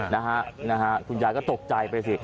นะฮะนะฮะคุณยายก็ตกใจไปสิ